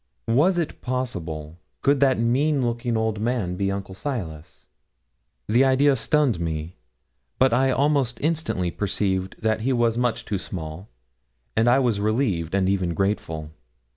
'Was it possible could that mean looking old man be Uncle Silas?' The idea stunned me; but I almost instantly perceived that he was much too small, and I was relieved, and even grateful.